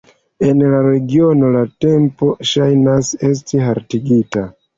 En la regiono la tempo ŝajnas esti haltigita.